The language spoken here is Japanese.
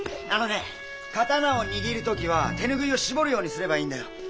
あのね刀を握る時は手拭いを絞るようにすればいいんだよ。